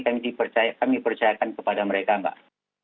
kami percayakan kepada mereka mbak